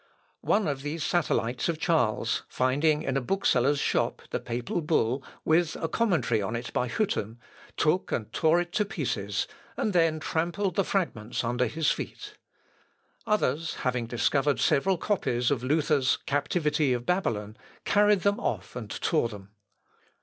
One of these satellites of Charles, finding in a bookseller's shop the papal bull, with a commentary on it by Hütten, took and tore it to pieces, and then trampled the fragments under his feet. Others, having discovered several copies of Luther's 'Captivity of Babylon,' carried them off and tore them.